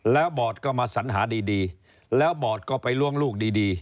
แล้วบอร์ดก็มาสัญหาดีแล้วบอดก็ไปล้วงลูกดี